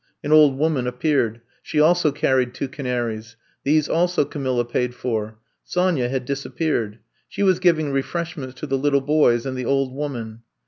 An old woman appeared. She also car ried two canaries. These also Camilla paid for. Sonya had disappeared. She was giving refreshments to the little boys and the old woman.